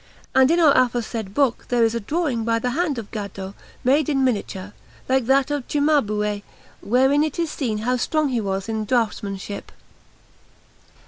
And in our aforesaid book there is a drawing by the hand of Gaddo, made in miniature, like that of Cimabue, wherein it is seen how strong he was in draughtsmanship.